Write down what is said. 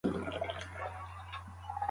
تاسو به هم فکر کړی وي؟